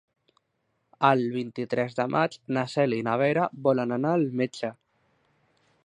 El vint-i-tres de maig na Cèlia i na Vera volen anar al metge.